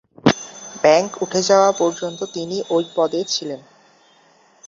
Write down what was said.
Bank উঠে যাওয়া পর্যন্ত তিনি ওই পদে ছিলেন।